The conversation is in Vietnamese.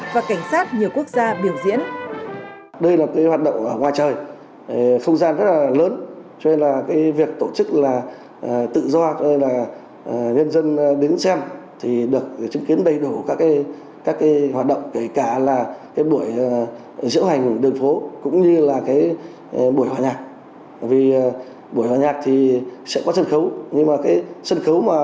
và cảnh sát nhiều quốc gia biểu diễn